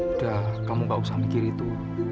udah kamu gak usah mikir itu